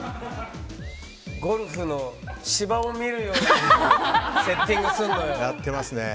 ゴルフの芝を見るようにセッティングするのよ。